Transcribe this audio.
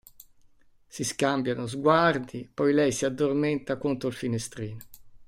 Si scambiano sguardi, poi lei si addormenta contro il finestrino.